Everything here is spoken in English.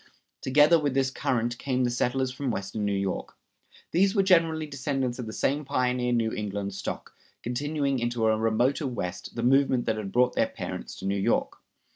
Together with this current came the settlers from western New York. These were generally descendants of this same pioneer New England stock, continuing into a remoter West the movement that had brought their parents to New York.